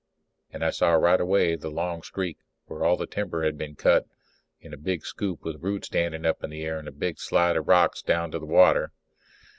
And I saw right away the long streak where all the timber had been cut out in a big scoop with roots standing up in the air and a big slide of rocks down to the water.